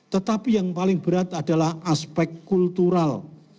tetapi yang paling berat adalah aspek kultural